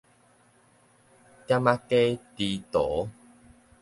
店仔街豬屠